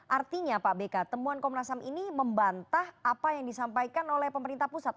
artinya pak beka temuan komnas ham ini membantah apa yang disampaikan oleh pemerintah pusat